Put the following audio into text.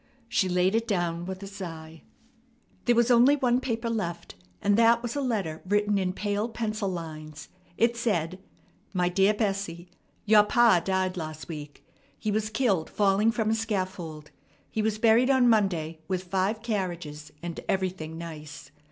She laid it down with a sigh. There was only one paper left, and that was a letter written in pale pencil lines. It said: "My dear Bessie: Your pa died last week. He was killed falling from a scaffold. He was buried on Monday with five carriages and everything nice.